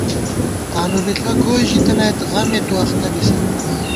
تانُو بِݪہ گوئی ژِتَنَئیت غمےتُو اختہ بِسہ